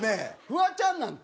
フワちゃんなんて。